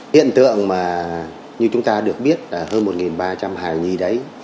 hiện tượng mà như chúng ta được biết là hơn một ba trăm linh hài nhi đấy